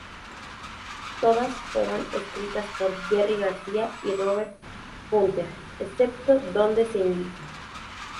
Todas fueron escritas por Jerry Garcia y Robert Hunter, excepto donde se indica.